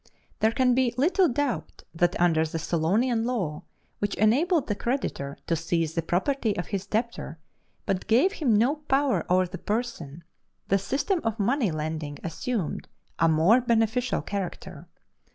There can be little doubt that under the Solonian law, which enabled the creditor to seize the property of his debtor, but gave him no power over the person, the system of money lending assumed a more beneficial character.